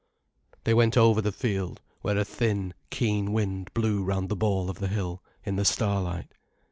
They went over the field, where a thin, keen wind blew round the ball of the hill, in the starlight.